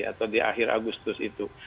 atau di akhir agustus itu